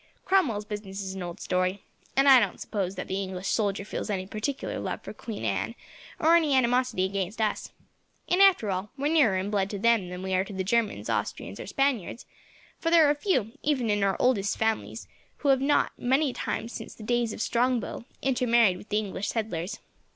Cromwell's business is an old story, and I don't suppose that the English soldier feels any particular love for Queen Anne, or any animosity against us. And after all, we are nearer in blood to them than we are to the Germans, Austrians, or Spaniards, for there are few, even of our oldest families, who have not, many times since the days of Strongbow, intermarried with the English settlers.